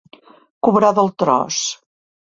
Cobrar del tros.